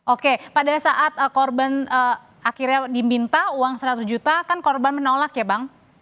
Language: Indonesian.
oke pada saat korban akhirnya diminta uang seratus juta kan korban menolak ya bang